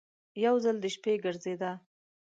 یو ځل د شپې ګرځېده.